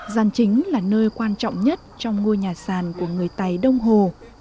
gian chính là nơi quan trọng nhất trong ngôi nhà sàn của người tày đông hồ